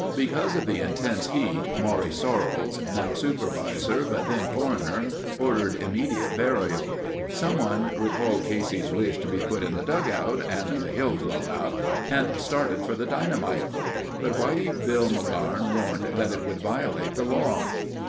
Because of the intense heat, Maury Sorrells, now Supervisor but then Coroner, ordered immediate burial. Someone recalled Casey's wish to be put in the dugout and the hill blown up and started for the dynamite. But Whitey Bill McGarn warned that it would violate the law.